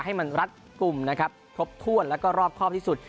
ให้มันรักกลุ่มทบท่วนและรอบครอบที่สุด